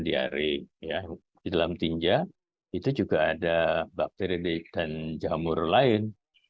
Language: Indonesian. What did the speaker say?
diare di dalam tinja itu juga ada bakteri dan jamur lain